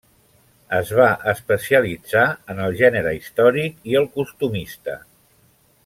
Es va especialitzar en el gènere històric i el costumista.